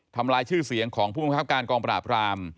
ทำลายชื่อเสียงของผู้บังคับการกองปราบราม